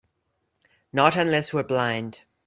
Not unless we're blind.